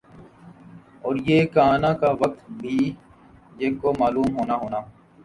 اور یِہ کا آنا کا وقت بھی یِہ کو معلوم ہونا ہونا